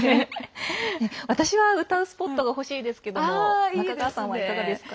私は歌うスポットがほしいですけども中川さんはいかがですか。